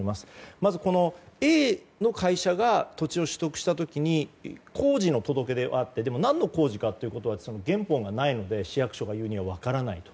まず、Ａの会社が土地を取得したときに工事の届け出があってでも、何の工事かどうかは原本がないので市役所が言うには分からない。